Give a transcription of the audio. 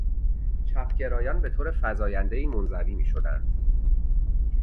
چپ گرایان به طور فزایندهای منزوی میشدند.